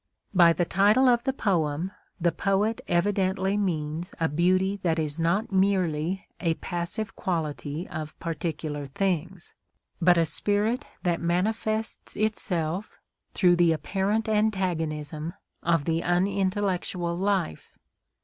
By the title of the poem the poet evidently means a beauty that is not merely a passive quality of particular things, but a spirit that manifests itself through the apparent antagonism of the unintellectual life.